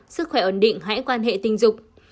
sức khỏe ổn định hãy quan hệ tình dục